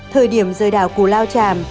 thời điểm rơi đảo củ lao tràm